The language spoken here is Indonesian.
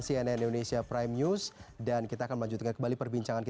kenapa jadi saya tinggi tinggi